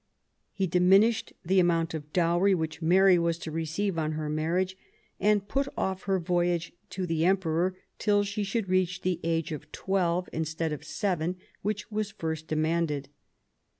He diminished the amount of dowry which Mary was to receive on her marriage, and put off her voyage to the Emperor till she should reach the age of twelve, instead of seven, which was first demanded.